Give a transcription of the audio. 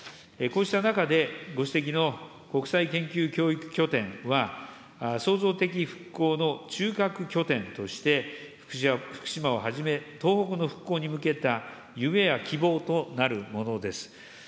こうした中で、ご指摘の国際研究教育拠点は、創造的復興の中核拠点として、福島をはじめ、東北の復興に向けた夢や希望となるものです。